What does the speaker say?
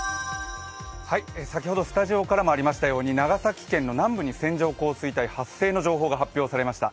先ほどスタジオからもありましたように長崎県の南部に線状降水帯発生の情報が発表されました。